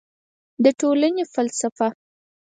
د ټولنې فلسفه